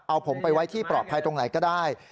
เอาผมไปไว้ที่ปลอดภัยตรงไหนก็ได้